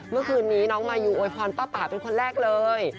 เมื่อคืนนี้น้องมายูอวยพรป้าป่าเป็นคนแรกเลย